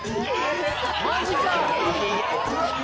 ・マジか！